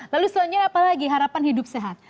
lalu selanjutnya apalagi harapan hidup sehat